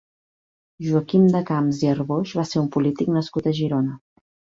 Joaquim de Camps i Arboix va ser un polític nascut a Girona.